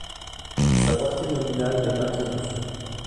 Sa portée nominale n'est pas connue.